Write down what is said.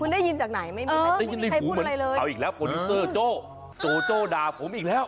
ด้วยหุมันเอาอีกแล้วโอรีสเซอร์โจ้โจ๊ก็ด่าผมอีกแล้ว